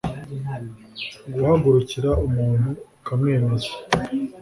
guhagurukira umuntu ukamwemeza